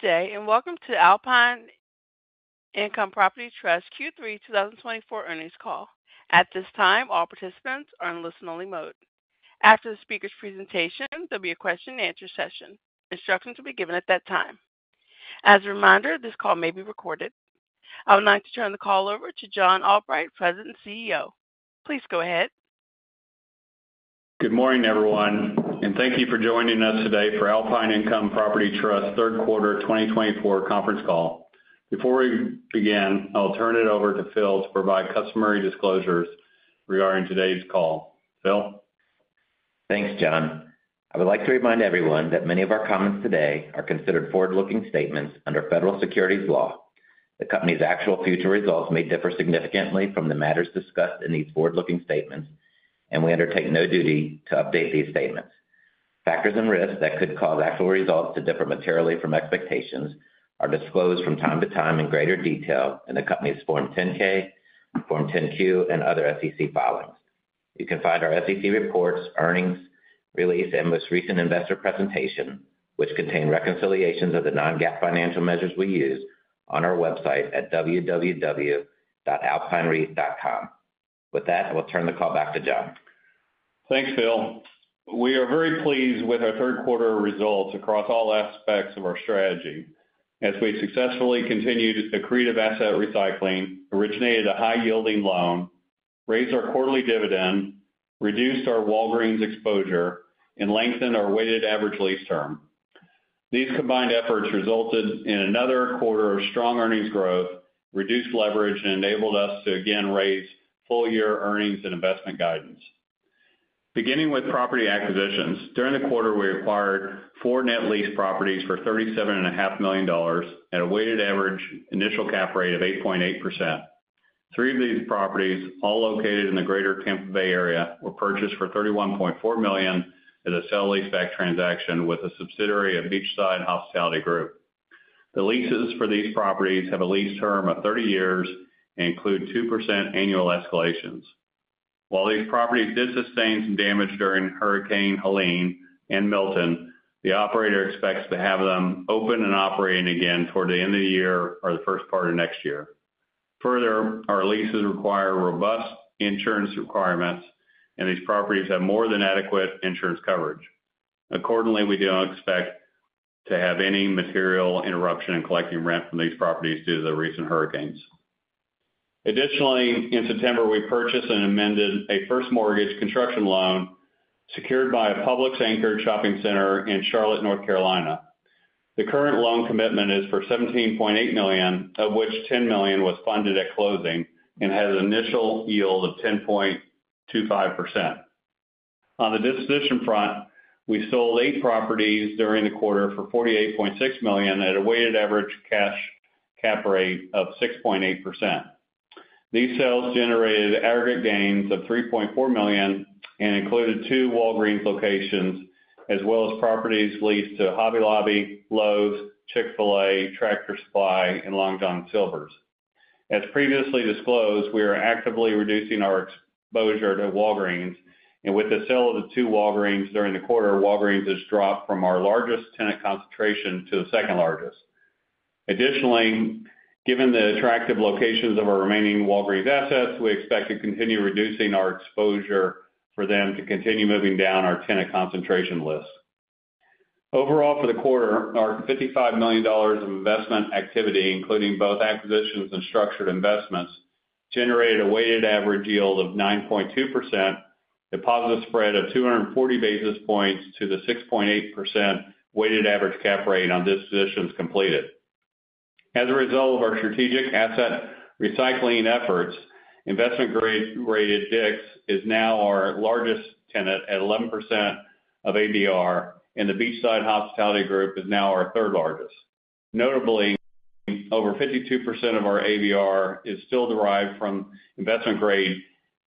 Good day, and welcome to Alpine Income Property Trust Q3 2024 Earnings Call. At this time, all participants are in listen-only mode. After the speaker's presentation, there'll be a question-and-answer session. Instructions will be given at that time. As a reminder, this call may be recorded. I would like to turn the call over to John Albright, President and CEO. Please go ahead. Good morning, everyone, and thank you for joining us today for Alpine Income Property Trust Third Quarter 2024 Conference Call. Before we begin, I'll turn it over to Phil to provide customary disclosures regarding today's call. Phil? Thanks, John. I would like to remind everyone that many of our comments today are considered forward-looking statements under federal securities law. The company's actual future results may differ significantly from the matters discussed in these forward-looking statements, and we undertake no duty to update these statements. Factors and risks that could cause actual results to differ materially from expectations are disclosed from time to time in greater detail in the company's Form 10-K, Form 10-Q, and other SEC filings. You can find our SEC reports, earnings release, and most recent investor presentation, which contain reconciliations of the non-GAAP financial measures we use on our website at www.alpinereit.com. With that, I will turn the call back to John. Thanks, Phil. We are very pleased with our third quarter results across all aspects of our strategy as we successfully continued accretive asset recycling, originated a high-yielding loan, raised our quarterly dividend, reduced our Walgreens exposure, and lengthened our weighted average lease term. These combined efforts resulted in another quarter of strong earnings growth, reduced leverage, and enabled us to again raise full-year earnings and investment guidance. Beginning with property acquisitions, during the quarter, we acquired four net lease properties for $37.5 million at a weighted average initial cap rate of 8.8%. Three of these properties, all located in the greater Tampa Bay area, were purchased for $31.4 million at a sale-leaseback transaction with a subsidiary of Beachside Hospitality Group. The leases for these properties have a lease term of 30 years and include 2% annual escalations. While these properties did sustain some damage during Hurricane Helene and Milton, the operator expects to have them open and operating again toward the end of the year or the first part of next year. Further, our leases require robust insurance requirements, and these properties have more than adequate insurance coverage. Accordingly, we do not expect to have any material interruption in collecting rent from these properties due to the recent hurricanes. Additionally, in September, we purchased and amended a first mortgage construction loan secured by a Publix anchored shopping center in Charlotte, North Carolina. The current loan commitment is for $17.8 million, of which $10 million was funded at closing and has an initial yield of 10.25%. On the disposition front, we sold eight properties during the quarter for $48.6 million at a weighted average cash cap rate of 6.8%. These sales generated aggregate gains of $3.4 million and included two Walgreens locations, as well as properties leased to Hobby Lobby, Lowe's, Chick-fil-A, Tractor Supply, and Long John Silver's. As previously disclosed, we are actively reducing our exposure to Walgreens, and with the sale of the two Walgreens during the quarter, Walgreens has dropped from our largest tenant concentration to the second largest. Additionally, given the attractive locations of our remaining Walgreens assets, we expect to continue reducing our exposure for them to continue moving down our tenant concentration list. Overall, for the quarter, our $55 million of investment activity, including both acquisitions and structured investments, generated a weighted average yield of 9.2%, a positive spread of 240 basis points to the 6.8% weighted average cap rate on dispositions completed. As a result of our strategic asset recycling efforts, investment-grade rated Dick's is now our largest tenant at 11% of ABR, and the Beachside Hospitality Group is now our third largest. Notably, over 52% of our ABR is still derived from investment-grade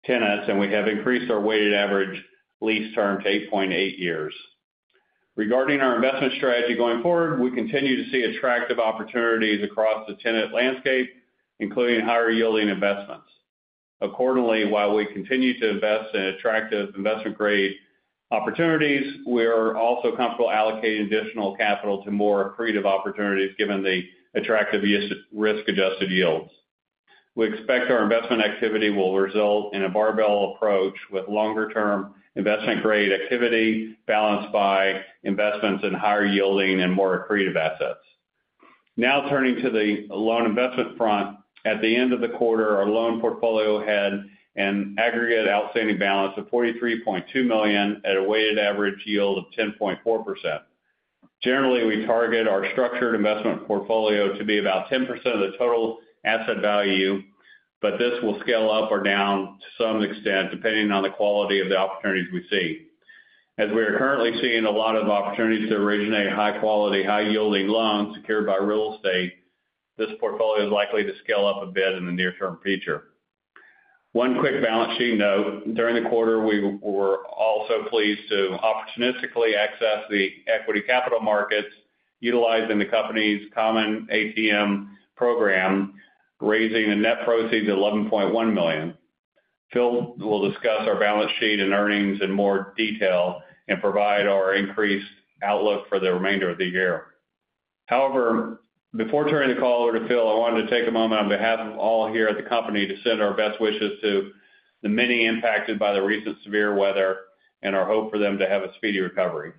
tenants, and we have increased our weighted average lease term to 8.8 years. Regarding our investment strategy going forward, we continue to see attractive opportunities across the tenant landscape, including higher-yielding investments. Accordingly, while we continue to invest in attractive investment-grade opportunities, we are also comfortable allocating additional capital to more accretive opportunities given the attractive risk-adjusted yields. We expect our investment activity will result in a barbell approach, with longer-term investment-grade activity balanced by investments in higher yielding and more accretive assets. Now turning to the loan investment front. At the end of the quarter, our loan portfolio had an aggregate outstanding balance of $43.2 million at a weighted average yield of 10.4%. Generally, we target our structured investment portfolio to be about 10% of the total asset value, but this will scale up or down to some extent, depending on the quality of the opportunities we see. As we are currently seeing a lot of opportunities to originate high quality, high yielding loans secured by real estate, this portfolio is likely to scale up a bit in the near-term future. One quick balance sheet note. During the quarter, we were also pleased to opportunistically access the equity capital markets, utilizing the company's common ATM program, raising the net proceeds of $11.1 million. Phil will discuss our balance sheet and earnings in more detail and provide our increased outlook for the remainder of the year. However, before turning the call over to Phil, I wanted to take a moment on behalf of all here at the company to send our best wishes to the many impacted by the recent severe weather and our hope for them to have a speedy recovery.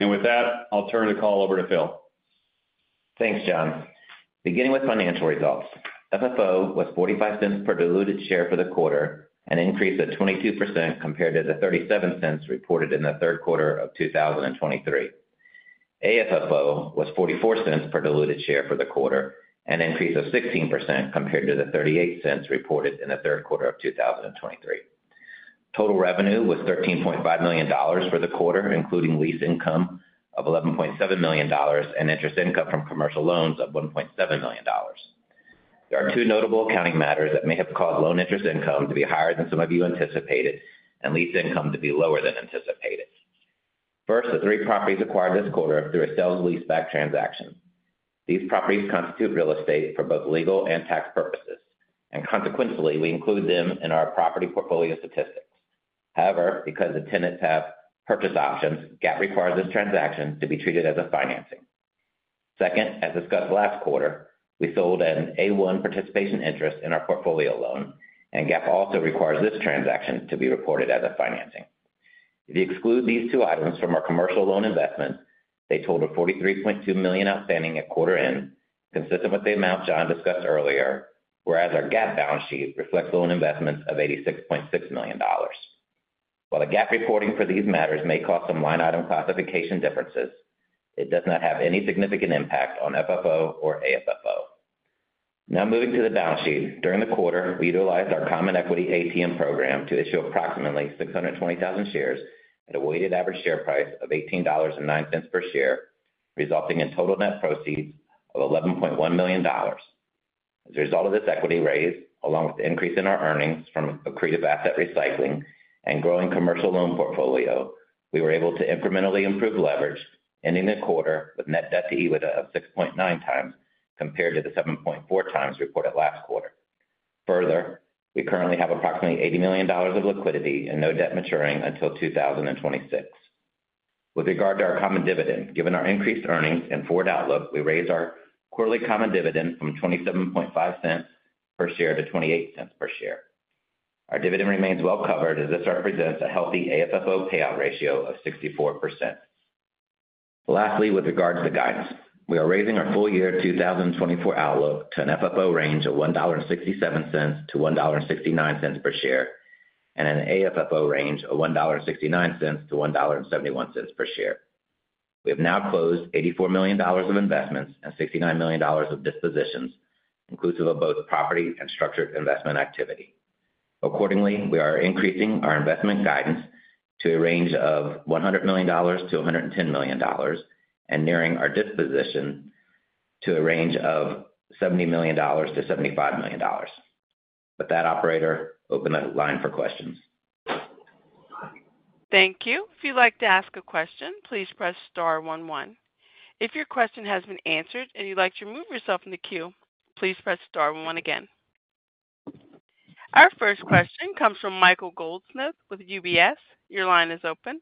And with that, I'll turn the call over to Phil. Thanks, John. Beginning with financial results, FFO was $0.45 per diluted share for the quarter, an increase of 22% compared to the $0.37 reported in the third quarter of two thousand and twenty-three. AFFO was $0.44 per diluted share for the quarter, an increase of 16% compared to the $0.38 reported in the third quarter of two thousand and twenty-three. Total revenue was $13.5 million for the quarter, including lease income of $11.7 million, and interest income from commercial loans of $1.7 million. There are two notable accounting matters that may have caused loan interest income to be higher than some of you anticipated and lease income to be lower than anticipated. First, the three properties acquired this quarter through a sale-leaseback transaction. These properties constitute real estate for both legal and tax purposes, and consequently, we include them in our property portfolio statistics. However, because the tenants have purchase options, GAAP requires this transaction to be treated as a financing. Second, as discussed last quarter, we sold an A-1 participation interest in our portfolio loan, and GAAP also requires this transaction to be reported as a financing. If you exclude these two items from our commercial loan investment, they total $43.2 million outstanding at quarter end, consistent with the amount John discussed earlier, whereas our GAAP balance sheet reflects loan investments of $86.6 million. While the GAAP reporting for these matters may cause some line item classification differences, it does not have any significant impact on FFO or AFFO. Now moving to the balance sheet. During the quarter, we utilized our common equity ATM program to issue approximately 620,000 shares at a weighted average share price of $18.09 per share, resulting in total net proceeds of $11.1 million. As a result of this equity raise, along with the increase in our earnings from accretive asset recycling and growing commercial loan portfolio, we were able to incrementally improve leverage, ending the quarter with net debt-to-EBITDA of 6.9 times, compared to the 7.4 times reported last quarter. Further, we currently have approximately $80 million of liquidity and no debt maturing until 2026. With regard to our common dividend, given our increased earnings and forward outlook, we raised our quarterly common dividend from 27.5 cents per share to 28 cents per share. Our dividend remains well covered, as this represents a healthy AFFO payout ratio of 64%. Lastly, with regards to guidance, we are raising our full-year 2024 outlook to an FFO range of $1.67-$1.69 per share, and an AFFO range of $1.69-$1.71 per share. We have now closed $84 million of investments and $69 million of dispositions, inclusive of both property and structured investment activity. Accordingly, we are increasing our investment guidance to a range of $100 million-$110 million, and narrowing our disposition to a range of $70 million-$75 million. With that, operator, open the line for questions. Thank you. If you'd like to ask a question, please press star one, one. If your question has been answered and you'd like to remove yourself from the queue, please press star one again. Our first question comes from Michael Goldsmith with UBS. Your line is open.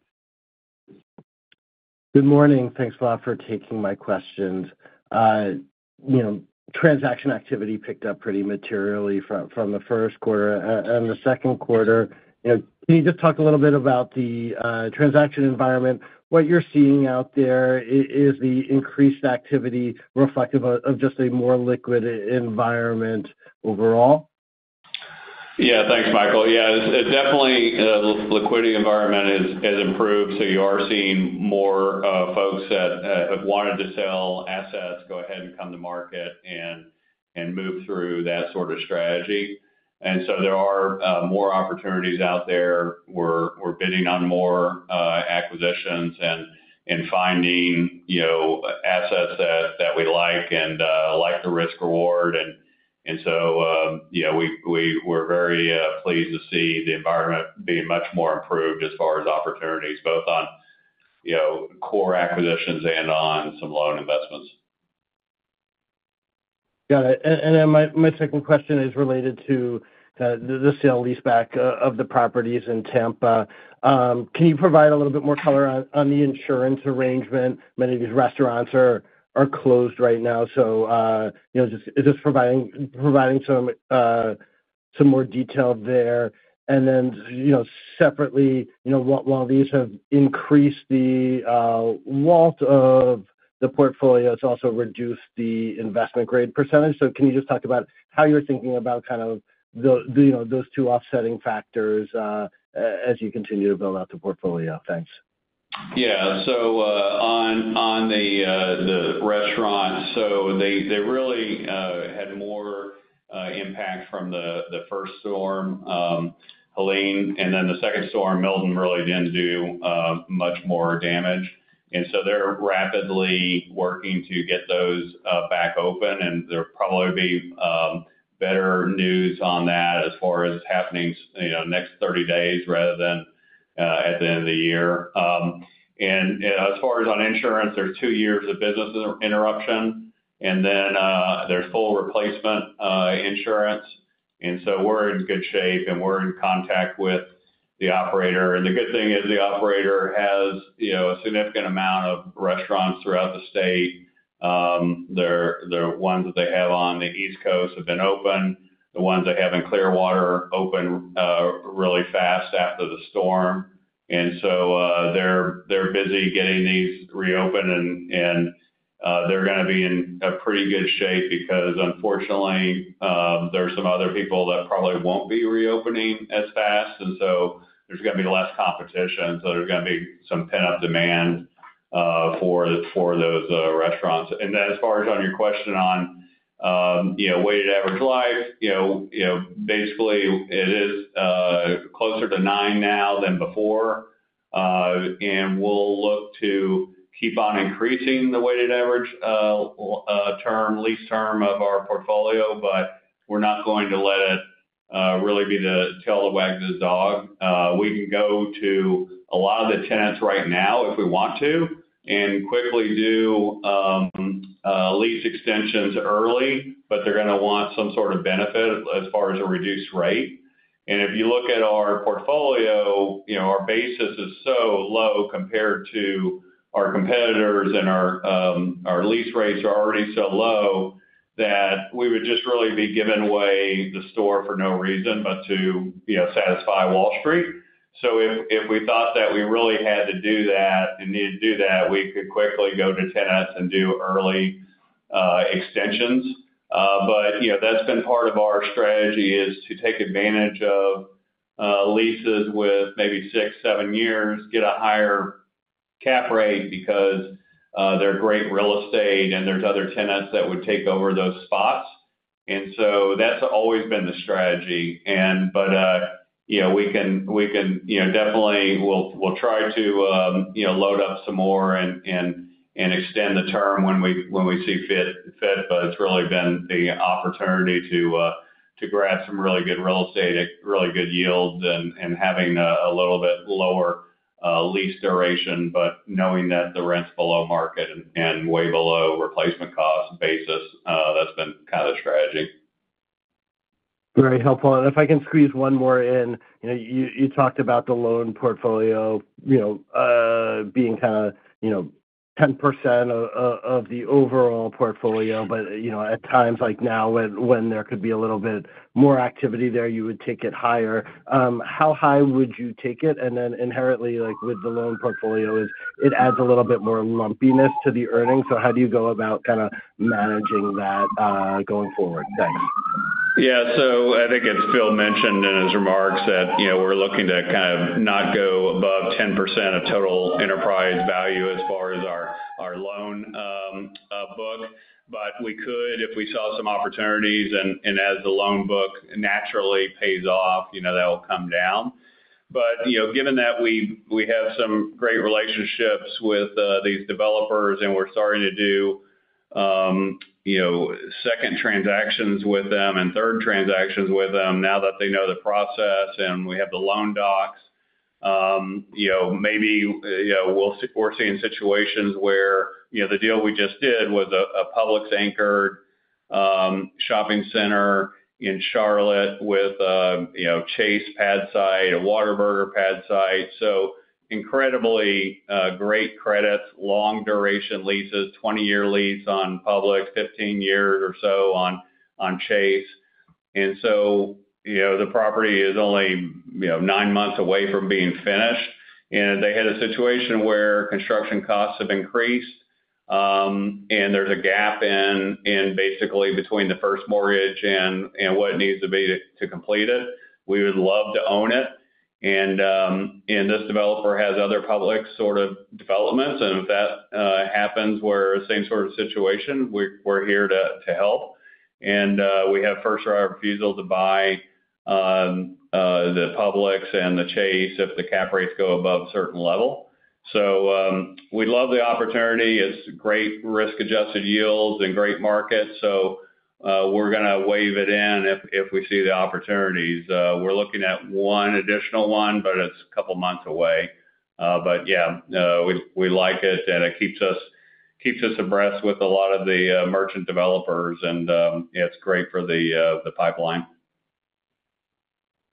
Good morning. Thanks a lot for taking my questions. You know, transaction activity picked up pretty materially from the first quarter and the second quarter. You know, can you just talk a little bit about the transaction environment, what you're seeing out there? Is the increased activity reflective of just a more liquid environment overall? Yeah. Thanks, Michael. Yeah, it definitely liquidity environment has improved, so you are seeing more folks that have wanted to sell assets go ahead and come to market and move through that sort of strategy. And so there are more opportunities out there. We're bidding on more acquisitions and finding you know assets that we like and like the risk reward. And so you know we're very pleased to see the environment being much more improved as far as opportunities both on you know core acquisitions and on some loan investments. Got it. And then my second question is related to the sale-leaseback of the properties in Tampa. Can you provide a little bit more color on the insurance arrangement? Many of these restaurants are closed right now, so you know, just. Just providing some more detail there. And then, you know, separately, you know, while these have increased the WALT of the portfolio, it's also reduced the investment grade percentage. So can you just talk about how you're thinking about kind of those two offsetting factors as you continue to build out the portfolio? Thanks. Yeah. So on the restaurant, so they really had more impact from the first storm, Helene, and then the second storm, Milton, really didn't do much more damage. And so they're rapidly working to get those back open, and there'll probably be better news on that as far as happenings, you know, next thirty days, rather than at the end of the year. And as far as on insurance, there's two years of business interruption... And then they're full replacement insurance, and so we're in good shape, and we're in contact with the operator. And the good thing is the operator has, you know, a significant amount of restaurants throughout the state. They're the ones that they have on the East Coast have been open. The ones they have in Clearwater opened really fast after the storm. And so, they're busy getting these reopened, and they're gonna be in a pretty good shape because, unfortunately, there are some other people that probably won't be reopening as fast, and so there's gonna be less competition. So there's gonna be some pent-up demand for those restaurants. And then as far as on your question on, you know, weighted average life, you know, basically, it is closer to nine now than before. And we'll look to keep on increasing the weighted average term, lease term of our portfolio, but we're not going to let it really be the tail that wags the dog. We can go to a lot of the tenants right now if we want to, and quickly do lease extensions early, but they're gonna want some sort of benefit as far as a reduced rate. And if you look at our portfolio, you know, our basis is so low compared to our competitors, and our lease rates are already so low that we would just really be giving away the store for no reason, but to, you know, satisfy Wall Street. So if we thought that we really had to do that and needed to do that, we could quickly go to tenants and do early extensions. But, you know, that's been part of our strategy, is to take advantage of, leases with maybe six, seven years, get a higher cap rate because, they're great real estate, and there's other tenants that would take over those spots. And so that's always been the strategy. And but, you know, we can. You know, definitely, we'll try to, you know, load up some more and extend the term when we see fit, but it's really been the opportunity to, to grab some really good real estate at really good yields and having a little bit lower, lease duration, but knowing that the rent's below market and way below replacement cost basis, that's been kind of the strategy. Very helpful, and if I can squeeze one more in. You know, you talked about the loan portfolio, you know, being kind of, you know, 10% of the overall portfolio, but, you know, at times like now, when there could be a little bit more activity there, you would take it higher. How high would you take it? And then inherently, like, with the loan portfolio, it adds a little bit more lumpiness to the earnings. So how do you go about kind of managing that, going forward? Thanks. Yeah. So I think as Phil mentioned in his remarks that, you know, we're looking to kind of not go above 10% of total enterprise value as far as our loan book. But we could, if we saw some opportunities, and as the loan book naturally pays off, you know, that'll come down. But, you know, given that we have some great relationships with these developers, and we're starting to do, you know, second transactions with them and third transactions with them, now that they know the process, and we have the loan docs, you know, maybe, you know, we'll see- we're seeing situations where, you know, the deal we just did with a Publix anchored shopping center in Charlotte with, you know, Chase pad site, a Whataburger pad site, so incredibly great credits, long duration leases, 20-year lease on Publix, 15 years or so on Chase. And so, you know, the property is only, you know, nine months away from being finished, and they had a situation where construction costs have increased, and there's a gap in basically between the first mortgage and what needs to be to complete it. We would love to own it, and this developer has other Publix sort of developments. And if that happens, where same sort of situation, we're here to help. And we have first right of refusal to buy the Publix and the Chase if the cap rates go above a certain level. So, we'd love the opportunity. It's great risk-adjusted yields and great markets, so we're gonna wade in if we see the opportunities. We're looking at one additional one, but it's a couple of months away. But yeah, we like it, and it keeps us abreast with a lot of the merchant developers, and it's great for the pipeline.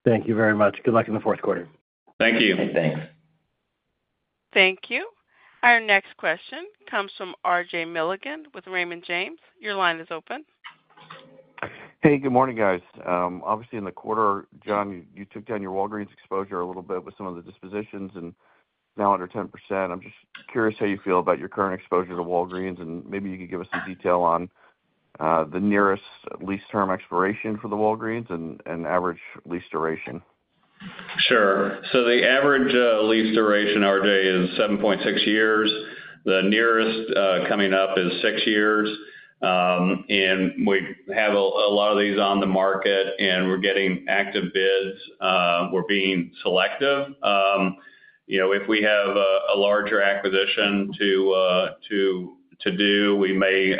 Thank you very much. Good luck in the fourth quarter. Thank you. Thanks. Thank you. Our next question comes from RJ Milligan with Raymond James. Your line is open. Hey, good morning, guys. Obviously, in the quarter, John, you took down your Walgreens exposure a little bit with some of the dispositions and now under 10%. I'm just curious how you feel about your current exposure to Walgreens, and maybe you could give us some detail on the nearest lease term expiration for the Walgreens and average lease duration. Sure. So the average lease duration, RJ, is seven point six years. The nearest coming up is six years. And we have a lot of these on the market, and we're getting active bids. We're being selective. You know, if we have a larger acquisition to do, we may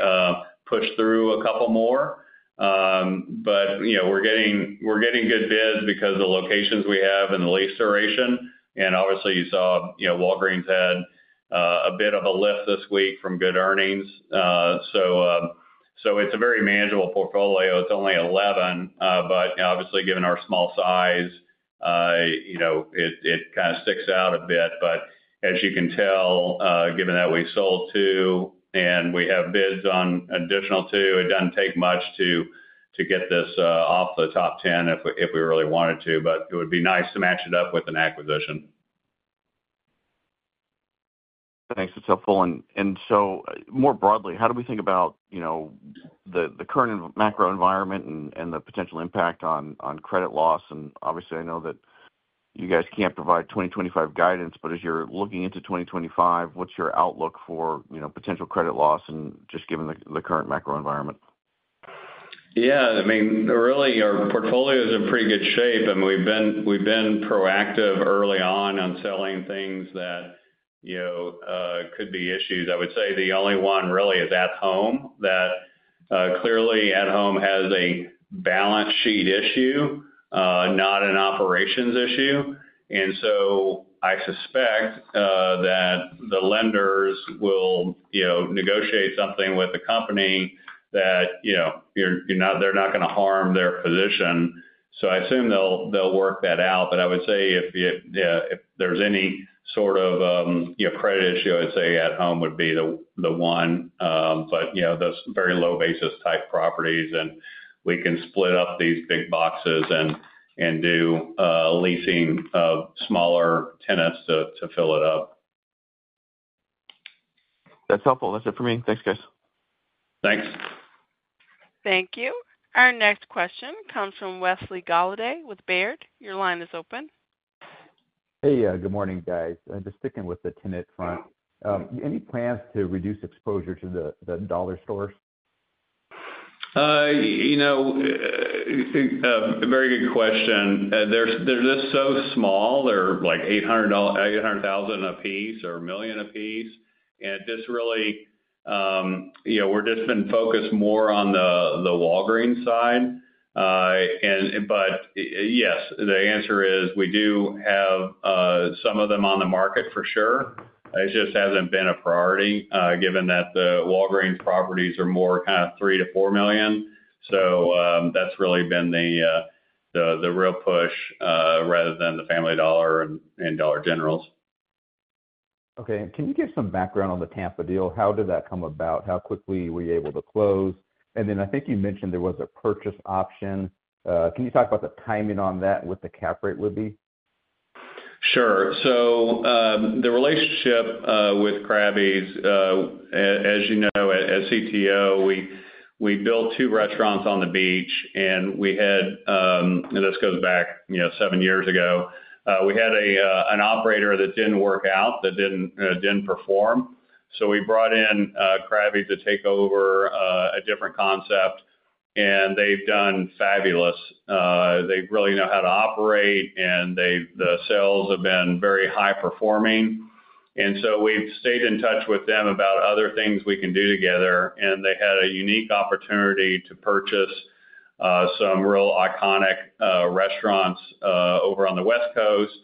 push through a couple more. But you know, we're getting good bids because of the locations we have and the lease duration. And obviously, you saw, you know, Walgreens had a bit of a lift this week from good earnings. So it's a very manageable portfolio. It's only 11, but obviously, given our small size, you know, it kind of sticks out a bit. But as you can tell, given that we sold two and we have bids on additional two, it doesn't take much to get this off the top ten if we really wanted to, but it would be nice to match it up with an acquisition. Thanks. That's helpful. And so more broadly, how do we think about, you know, the current macro environment and the potential impact on credit loss? And obviously, I know that you guys can't provide 2025 guidance, but as you're looking into 2025, what's your outlook for, you know, potential credit loss and just given the current macro environment? Yeah, I mean, really, our portfolio is in pretty good shape, and we've been proactive early on selling things that, you know, could be issues. I would say the only one really is At Home, that clearly At Home has a balance sheet issue, not an operations issue. And so I suspect that the lenders will, you know, negotiate something with the company that, you know, you're not-- they're not going to harm their position. So I assume they'll work that out. But I would say if there's any sort of, you know, credit issue, I'd say At Home would be the one, but, you know, those very low basis type properties, and we can split up these big boxes and do leasing of smaller tenants to fill it up. That's helpful. That's it for me. Thanks, guys. Thanks. Thank you. Our next question comes from Wesley Golladay with Baird. Your line is open. Hey, good morning, guys. Just sticking with the tenant front, any plans to reduce exposure to the dollar stores? You know, a very good question. They're just so small. They're like $800,000 apiece or $1 million apiece, and just really, you know, we're just been focused more on the Walgreens side. And but, yes, the answer is we do have some of them on the market for sure. It just hasn't been a priority, given that the Walgreens properties are more kind of $3 million-$4 million. So, that's really been the real push, rather than the Family Dollar and Dollar Generals. Okay. Can you give some background on the Tampa deal? How did that come about? How quickly were you able to close? And then I think you mentioned there was a purchase option. Can you talk about the timing on that and what the cap rate would be? Sure. So, the relationship with Crabby's, as you know, at CTO, we built two restaurants on the beach, and we had. And this goes back, you know, seven years ago. We had an operator that didn't work out, that didn't perform. So we brought in Crabby's to take over a different concept, and they've done fabulous. They really know how to operate, and the sales have been very high performing, and so we've stayed in touch with them about other things we can do together, and they had a unique opportunity to purchase some real iconic restaurants over on the West Coast.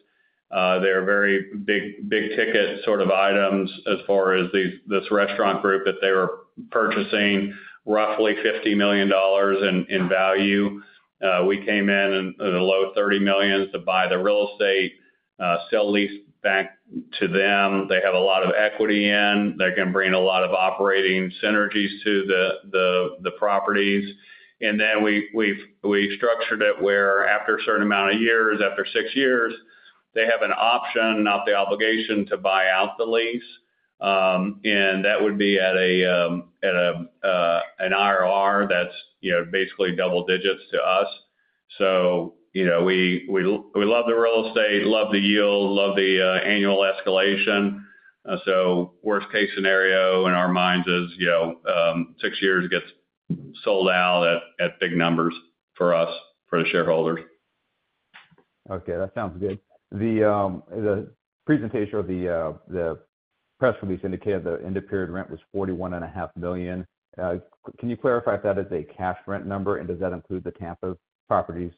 They're very big-ticket sort of items as far as this restaurant group that they were purchasing, roughly $50 million in value. We came in in the low $30 million to buy the real estate, sell lease back to them. They have a lot of equity in. They can bring a lot of operating synergies to the properties. And then we structured it, where after a certain amount of years, after six years, they have an option, not the obligation, to buy out the lease. And that would be at an IRR that's, you know, basically double digits to us. So, you know, we love the real estate, love the yield, love the annual escalation. So worst case scenario in our minds is, you know, six years gets sold out at big numbers for us, for the shareholders. Okay, that sounds good. The presentation or the press release indicated the end of period rent was $41.5 million. Can you clarify if that is a cash rent number, and does that include the Tampa properties?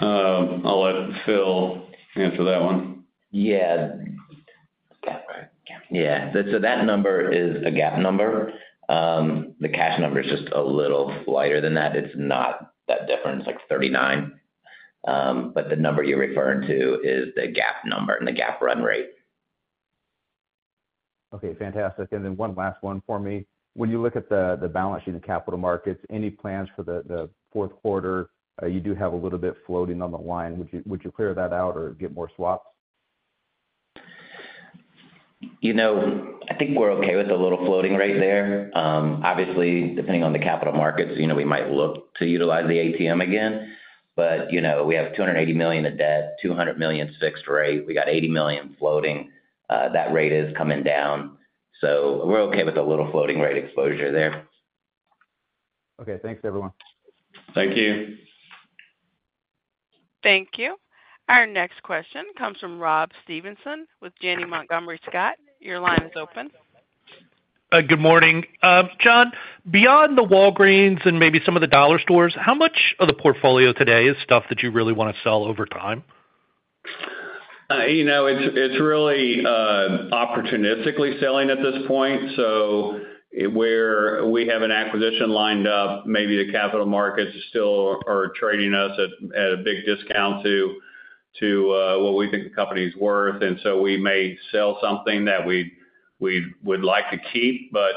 I'll let Phil answer that one. Yeah. Yeah. So that number is a GAAP number. The cash number is just a little lighter than that. It's not that different, it's like thirty-nine. But the number you're referring to is the GAAP number and the GAAP run rate. Okay, fantastic. And then one last one for me. When you look at the balance sheet, the capital markets, any plans for the fourth quarter? You do have a little bit floating on the line. Would you clear that out or get more swaps? You know, I think we're okay with a little floating rate there. Obviously, depending on the capital markets, you know, we might look to utilize the ATM again, but, you know, we have $280 million in debt, $200 million fixed rate, we got $80 million floating. That rate is coming down, so we're okay with a little floating rate exposure there. Okay. Thanks, everyone. Thank you. Thank you. Our next question comes from Rob Stevenson with Janney Montgomery Scott. Your line is open. Good morning. John, beyond the Walgreens and maybe some of the dollar stores, how much of the portfolio today is stuff that you really want to sell over time? You know, it's really opportunistically selling at this point. So where we have an acquisition lined up, maybe the capital markets still are trading us at a big discount to what we think the company is worth, and so we may sell something that we would like to keep. But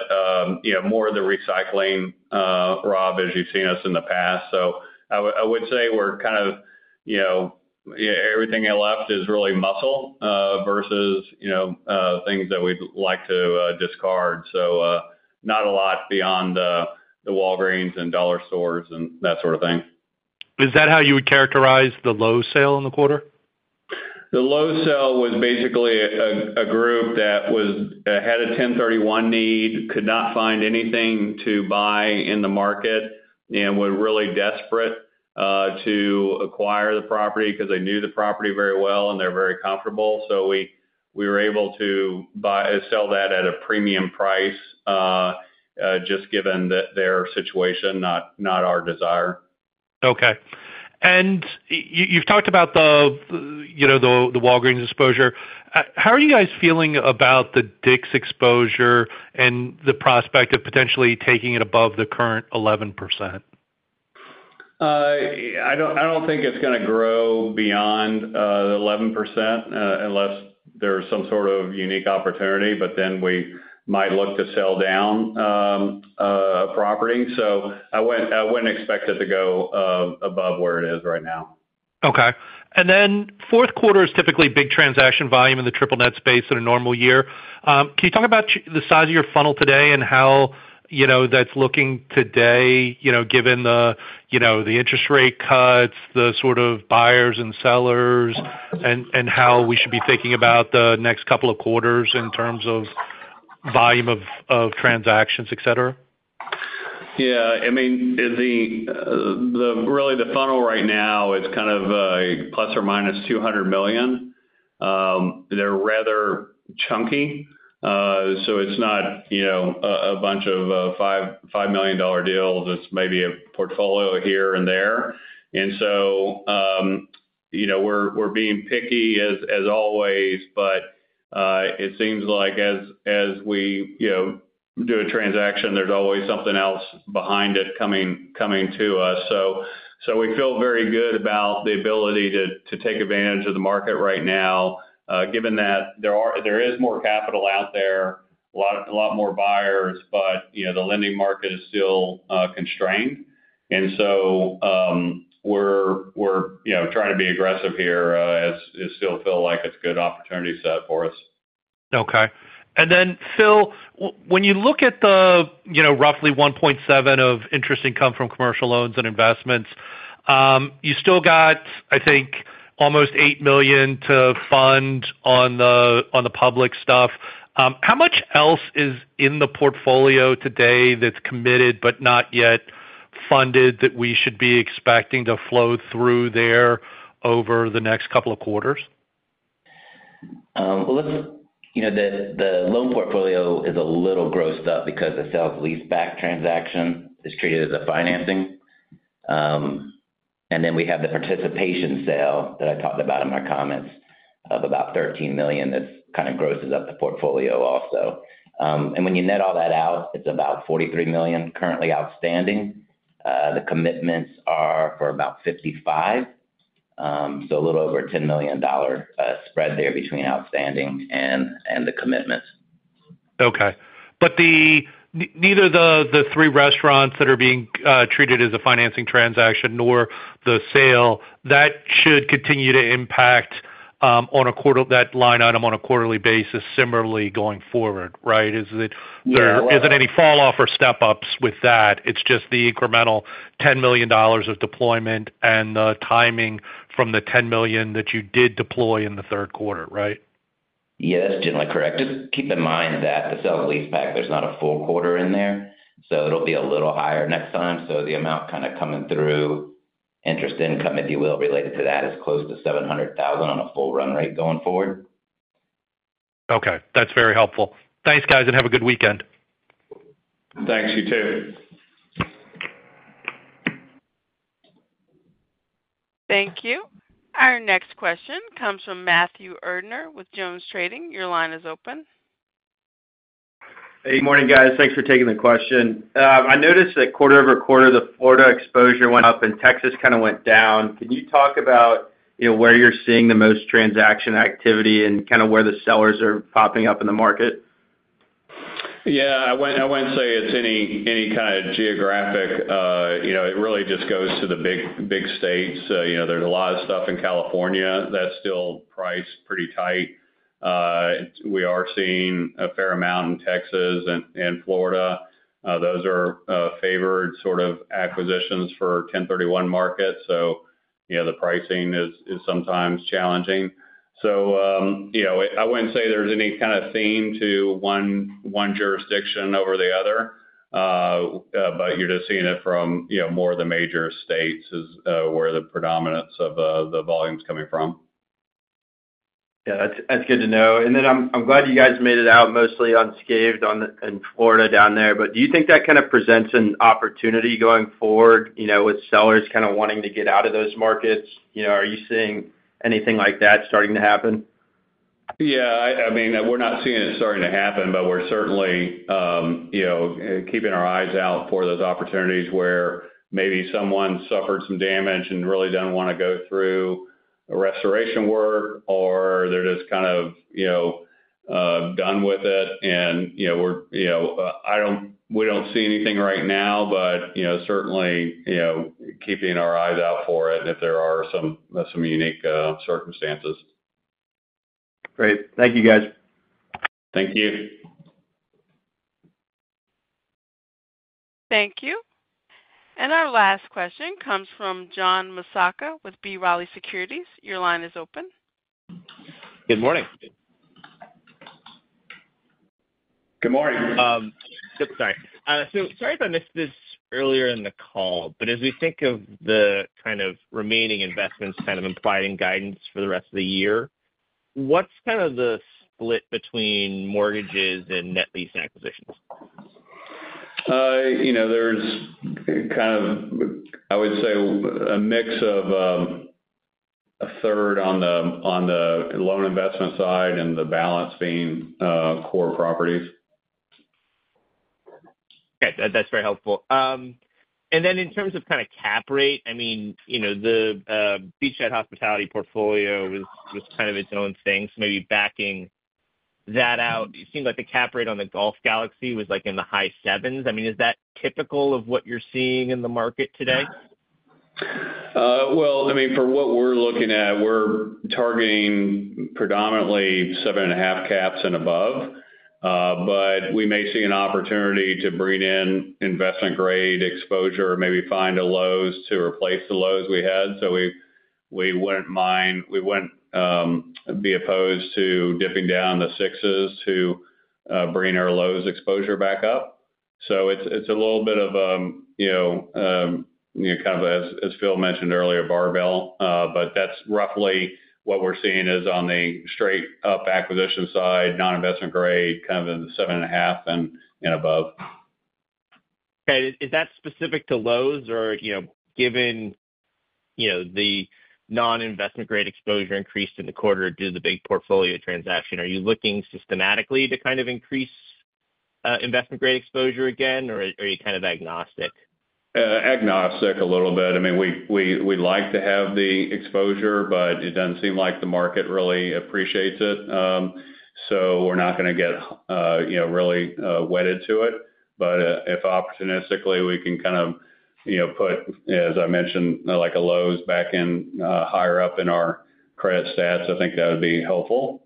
you know, more of the recycling, Rob, as you've seen us in the past. So I would say we're kind of, you know, everything left is really muscle versus, you know, things that we'd like to discard. So not a lot beyond the Walgreens and dollar stores and that sort of thing. Is that how you would characterize the Lowe's sale in the quarter? The Lowe's sale was basically a group that had a 1031 need, could not find anything to buy in the market, and were really desperate to acquire the property because they knew the property very well, and they're very comfortable. So we were able to sell that at a premium price just given that their situation, not our desire. Okay. And you've talked about the, you know, the Walgreens exposure. How are you guys feeling about the Dick's exposure and the prospect of potentially taking it above the current 11%? I don't, I don't think it's going to grow beyond 11%, unless there's some sort of unique opportunity, but then we might look to sell down property. So I wouldn't, I wouldn't expect it to go above where it is right now. Okay. And then fourth quarter is typically big transaction volume in the triple net space in a normal year. Can you talk about the size of your funnel today and how, you know, that's looking today, you know, given the, you know, the interest rate cuts, the sort of buyers and sellers, and, and how we should be thinking about the next couple of quarters in terms of volume of transactions, et cetera? Yeah, I mean, the really, the funnel right now is kind of plus or minus $200 million. They're rather chunky. So it's not, you know, a bunch of five million dollar deals. It's maybe a portfolio here and there. And so, you know, we're being picky as always, but it seems like as we, you know, do a transaction, there's always something else behind it coming to us. So we feel very good about the ability to take advantage of the market right now, given that there is more capital out there, a lot more buyers, but, you know, the lending market is still constrained. And so, we're, you know, trying to be aggressive here, as it still feel like it's a good opportunity set for us. Okay. And then, Phil, when you look at the, you know, roughly $1.7 of interest income from commercial loans and investments, you still got, I think, almost $8 million to fund on the public stuff. How much else is in the portfolio today that's committed but not yet funded, that we should be expecting to flow through there over the next couple of quarters? Well, look, you know, the loan portfolio is a little grossed up because the sale-leaseback transaction is treated as a financing. And then we have the participation sale that I talked about in my comments of about $13 million. That kind of grosses up the portfolio also. And when you net all that out, it's about $43 million currently outstanding. The commitments are for about $55, so a little over $10 million spread there between outstanding and the commitments. Okay. But neither the three restaurants that are being treated as a financing transaction nor the sale that should continue to impact on that line item on a quarterly basis, similarly going forward, right? Is it? Yeah. There isn't any falloff or step-ups with that. It's just the incremental $10 million of deployment and the timing from the $10 million that you did deploy in the third quarter, right? Yes, generally correct. Just keep in mind that the sale-leaseback, there's not a full quarter in there, so it'll be a little higher next time. So the amount kind of coming through, interest income, if you will, related to that, is close to $700,000 on a full run rate going forward. Okay, that's very helpful. Thanks, guys, and have a good weekend. Thanks. You, too. Thank you. Our next question comes from Matthew Erdner with JonesTrading. Your line is open. Hey, good morning, guys. Thanks for taking the question. I noticed that quarter over quarter, the Florida exposure went up and Texas kind of went down. Can you talk about, you know, where you're seeing the most transaction activity and kind of where the sellers are popping up in the market? Yeah, I wouldn't say it's any kind of geographic. You know, it really just goes to the big states. You know, there's a lot of stuff in California that's still priced pretty tight. We are seeing a fair amount in Texas and Florida. Those are favored sort of acquisitions for 1031 markets. So you know, the pricing is sometimes challenging. So, you know, I wouldn't say there's any kind of theme to one jurisdiction over the other, but you're just seeing it from, you know, more of the major states is where the predominance of the volume is coming from. Yeah, that's good to know. And then I'm glad you guys made it out mostly unscathed in Florida down there. But do you think that kind of presents an opportunity going forward, you know, with sellers kind of wanting to get out of those markets? You know, are you seeing anything like that starting to happen? Yeah, I mean, we're not seeing it starting to happen, but we're certainly, you know, keeping our eyes out for those opportunities where maybe someone suffered some damage and really doesn't want to go through a restoration work, or they're just kind of, you know, done with it. And, you know, we're, you know, we don't see anything right now, but, you know, certainly, you know, keeping our eyes out for it, if there are some unique circumstances. Great. Thank you, guys. Thank you. Thank you. And our last question comes from John Massocca with B. Riley Securities. Your line is open. Good morning. Good morning. Sorry. So sorry if I missed this earlier in the call, but as we think of the kind of remaining investments, kind of implying guidance for the rest of the year, what's kind of the split between mortgages and net leasing acquisitions? You know, there's kind of, I would say, a mix of a third on the loan investment side and the balance being core properties. Okay. That, that's very helpful. And then in terms of kind of cap rate, I mean, you know, the Beachside Hospitality portfolio was kind of its own thing. So maybe backing that out, it seemed like the cap rate on the Golf Galaxy was, like, in the high sevens. I mean, is that typical of what you're seeing in the market today? Well, I mean, for what we're looking at, we're targeting predominantly seven and a half caps and above. But we may see an opportunity to bring in investment-grade exposure or maybe find a Lowe's to replace the Lowe's we had. So we wouldn't mind. We wouldn't be opposed to dipping down the sixes to bring our Lowe's exposure back up. So it's a little bit of a you know kind of, as Phil mentioned earlier, barbell. But that's roughly what we're seeing is on the straight-up acquisition side, non-investment grade, kind of in the seven and a half and above. Okay. Is that specific to Lowe's? Or, you know, given, you know, the non-investment-grade exposure increased in the quarter due to the big portfolio transaction, are you looking systematically to kind of increase investment-grade exposure again, or are you kind of agnostic? Agnostic a little bit. I mean, we like to have the exposure, but it doesn't seem like the market really appreciates it. So we're not gonna get, you know, really wedded to it. But if opportunistically, we can kind of, you know, put, as I mentioned, like, a Lowe's back in, higher up in our credit stats, I think that would be helpful.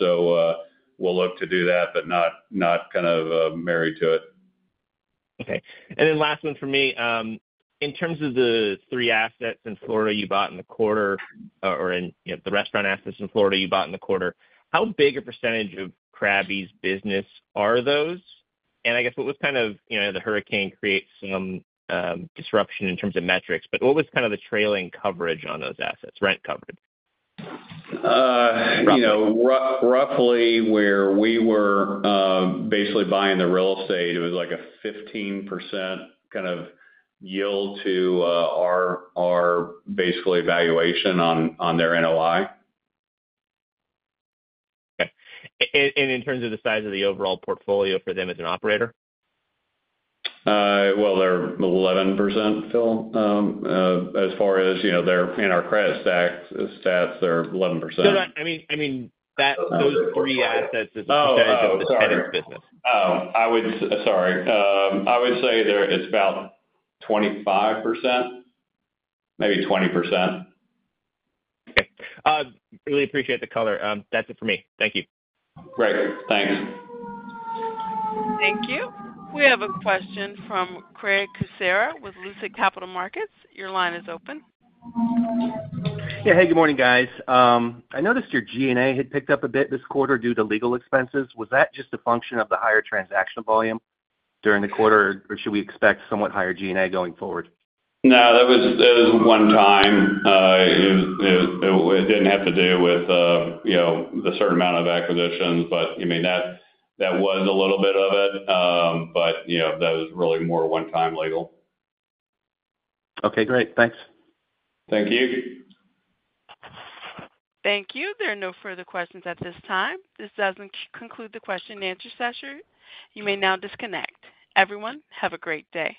So we'll look to do that, but not kind of married to it. Okay. And then last one for me. In terms of the three assets in Florida you bought in the quarter, or, you know, the restaurant assets in Florida you bought in the quarter, how big a percentage of Crabby's business are those? And I guess, what was kind of... You know, the hurricane created some disruption in terms of metrics, but what was kind of the trailing coverage on those assets, rent coverage? You know, roughly where we were, basically buying the real estate, it was like a 15% kind of yield to our basically valuation on their NOI. In terms of the size of the overall portfolio for them as an operator? Well, they're 11%, Phil. As far as, you know, there in our credit stats, they're 11%. So that, I mean, that. Okay. Those three assets. Oh, oh. As a percentage of the business. Sorry. I would say there it's about 25%, maybe 20%. Okay. Really appreciate the color. That's it for me. Thank you. Great. Thanks. Thank you. We have a question from Craig Kucera with Lucid Capital Markets. Your line is open. Yeah. Hey, good morning, guys. I noticed your G&A had picked up a bit this quarter due to legal expenses. Was that just a function of the higher transaction volume during the quarter, or should we expect somewhat higher G&A going forward? No, that was, it was one time. It didn't have to do with, you know, the certain amount of acquisitions, but I mean, that was a little bit of it. But, you know, that was really more one-time legal. Okay, great. Thanks. Thank you. Thank you. There are no further questions at this time. This does conclude the question and answer session. You may now disconnect. Everyone, have a great day.